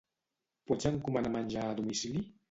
Pots encomanar menjar a domicili?